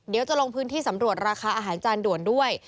เดี๋ยวจะลงพื้นที่สำรวจราคาอาหารจานด่วนด้วย